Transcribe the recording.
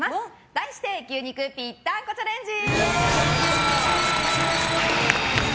題して牛肉ぴったんこチャレンジ。